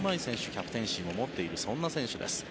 キャプテンシーも持っているそんな選手です。